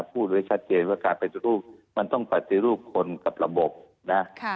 พูดไว้ชัดเจนว่าการปฏิรูปมันต้องปฏิรูปคนกับระบบนะ